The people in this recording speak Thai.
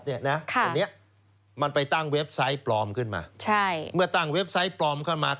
เงินนี้มันไปตั้งเว็บไซต์ปลอมขึ้นมา